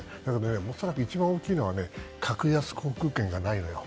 おそらく一番大きいのは格安航空券がないのよ。